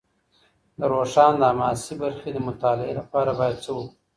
د روښان د حماسي برخې د مطالعې لپاره باید څه وکړو؟